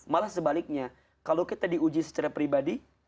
malah sebaliknya kalau kita diuji secara pribadi